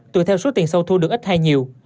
tùy theo số tiền sâu thu được ít hay nhiều